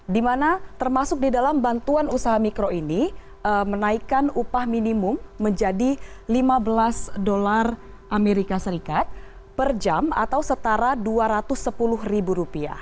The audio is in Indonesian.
di mana termasuk di dalam bantuan usaha mikro ini menaikkan upah minimum menjadi lima belas dolar amerika serikat per jam atau setara rp dua ratus sepuluh ribu rupiah